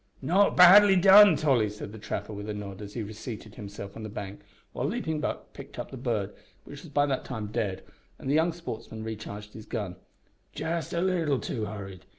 "Not badly done, Tolly," said the trapper, with a nod, as he reseated himself on the bank, while Leaping Buck picked up the bird, which was by that time dead, and the young sportsman recharged his gun; "just a leetle too hurried.